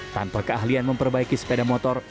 tanpa keahlian memperbaiki sepeda motor